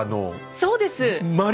そうです。